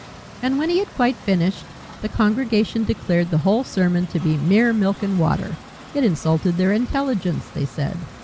And when he had quite finished, the congregation declared the whole sermon to be mere milk and water. It insulted their intelligence, they said.